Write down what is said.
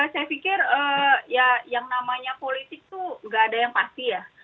saya pikir ya yang namanya politik tuh gak ada yang pasti ya